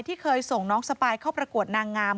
ที่เคยส่งน้องสปายเข้าประกวดนางงาม